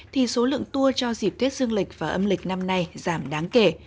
thì số lượng tour cho dịp thuyết dương lịch và âm lịch năm nay giảm đáng kể